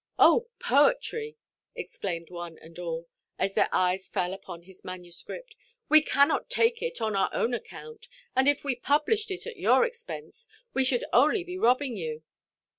"Oh, poetry!" exclaimed one and all, as their eyes fell upon his manuscript, "we cannot take it on our own account; and, if we published it at your expense, we should only be robbing you."